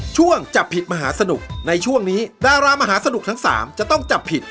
ช่วงจับผิดมหาสนุกในช่วงนี้ดารามหาสนุกทั้ง๓จะต้องจับผิด